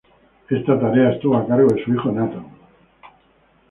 Esta tarea estuvo a cargo de su hijo Nathan.